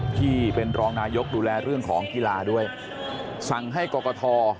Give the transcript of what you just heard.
ที่เป็นรองนายกดูแลเรื่องของกีฬาด้วยสั่งให้กรกฐ